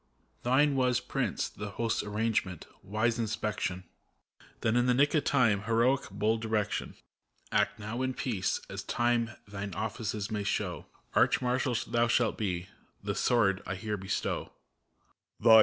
Thine was, Prince! the host's arrangement, wise inspection, Then, in the nick of time, heroic, bold direction : Act now in peace, as Time thine offices may show ! Arch Marshal shalt thou be : the sword I here bestow.